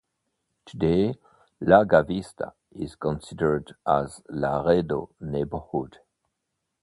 Today, Larga Vista is considered a Laredo neighborhood.